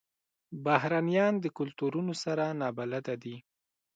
بهرنیان د کلتورونو سره نابلده دي.